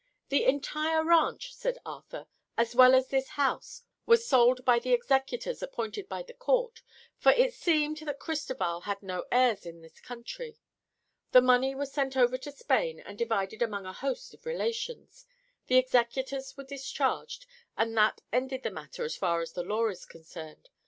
"The entire ranch," said Arthur, "as well as this house, was sold by the executors appointed by the court, for it seems that Cristoval had no heirs in this country. The money was sent over to Spain and divided among a host of relations, the executors were discharged, and that ended the matter as far as the law is concerned.